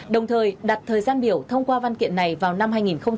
đồng thời đặt thời gian biểu thông qua văn kiện này vào năm hai nghìn hai mươi